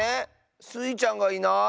スイちゃんがいない。